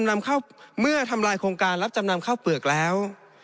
เมื่อทำลายโครงการรับจำนำเข้าเปลือกแล้ว